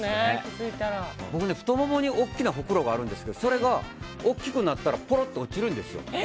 僕、太ももにおっきなほくろがあるんですけどそれが大きくなったらぽろっと落ちるんですよ。